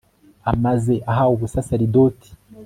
amaze ahawe ubusaserdoti